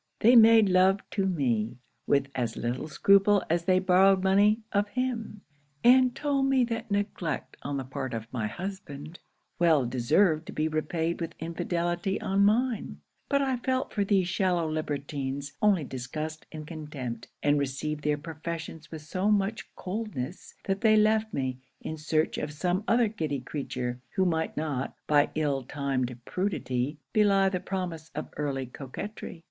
They made love to me, with as little scruple as they borrowed money of him; and told me that neglect on the part of my husband, well deserved to be repaid with infidelity on mine: but I felt for these shallow libertines only disgust and contempt; and received their professions with so much coldness, that they left me, in search of some other giddy creature, who might not, by ill timed prudery, belie the promise of early coquetry.